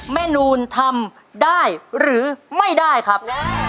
นูนทำได้หรือไม่ได้ครับ